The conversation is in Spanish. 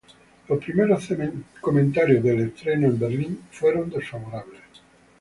Los primeros comentarios del estreno en Berlín fueron desfavorables.